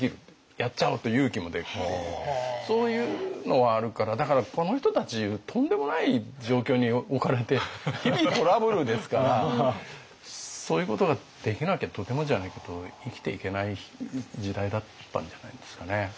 やっちゃおうと勇気も出るっていうそういうのはあるからだからこの人たちとんでもない状況に置かれて日々トラブルですからそういうことができなきゃとてもじゃないけど生きていけない時代だったんじゃないんですかね。